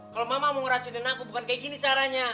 kalau mama mau ngeracunin aku bukan kayak gini caranya